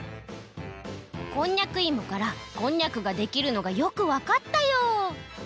こんにゃくいもからこんにゃくができるのがよくわかったよ！